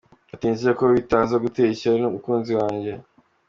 Ati “Nizereko bitaza gutera ishyari umukunzi wanjye .